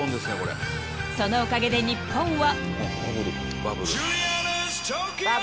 ［そのおかげで日本は］